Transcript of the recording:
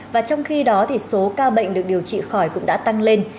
và trong khi đó thì số ca bệnh được điều trị khỏi cũng đã tăng lên